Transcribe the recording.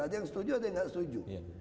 ada yang setuju ada yang nggak setuju